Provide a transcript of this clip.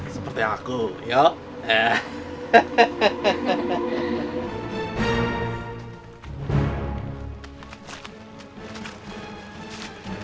seperti aku yuk